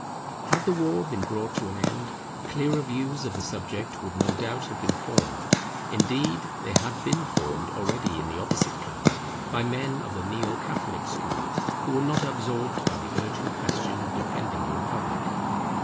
Had the war been brought to an end, clearer views of the subject would no doubt have been formed; indeed they had been formed already in the opposite camp, by men of the Neo catholic school, who were not absorbed by the urgent question of defending the Republic.